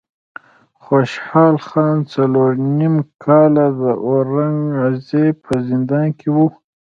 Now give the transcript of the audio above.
خوشحال خان څلور نیم کاله د اورنګ زیب په زندان کې و.